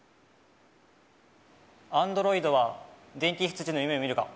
『アンドロイドは電気羊の夢を見るか？』。